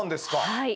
はい。